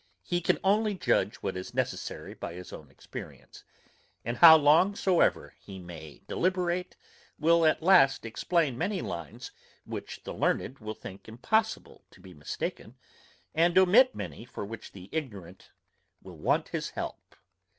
He can only judge what is necessary by his own experience; and how long soever he may deliberate, will at last explain many lines which the learned will think impossible to be mistaken, and omit many for which the ignorant will want his help.